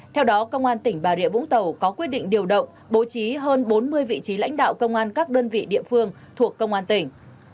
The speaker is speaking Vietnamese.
theo đó công an tỉnh bà rịa vũng tàu có quyết định điều động bố trí hơn bốn mươi vị trí lãnh đạo công an các đơn vị địa phương thuộc công an tỉnh